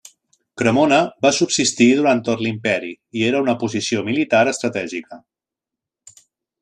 Cremona va subsistir durant tot l'imperi, i era una posició militar estratègica.